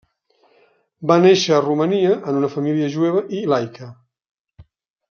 Va néixer a Romania en una família jueva i laica.